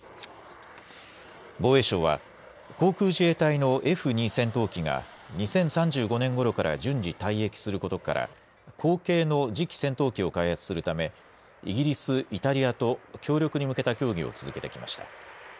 防衛省は航空自衛隊のＦ２戦闘機が２０３５年ごろから順次、退役することから後継の次期戦闘機を開発するためイギリス、イタリアと協力に向けた協議を続けてきました。